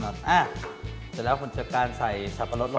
อ่าเสร็จแล้วผลจัดการใส่สับปะรดลงไป